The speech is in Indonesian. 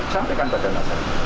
sampaikan pada masyarakat